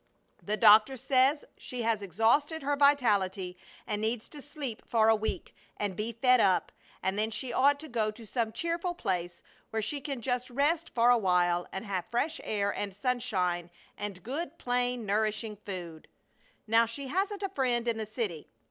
The doctor says she has exhausted her vitality and needs to sleep for a week and be fed up; and then she ought to go to some cheerful place where she can just rest for a while and have fresh air and sunshine and good, plain, nourishing food. Now she hasn't a friend in the city.